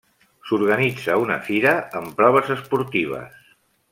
S’organitza una fira amb proves esportives.